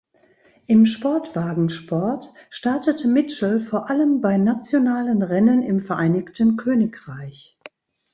Im Sportwagensport startete Mitchell vor allem bei nationalen Rennen im Vereinigten Königreich.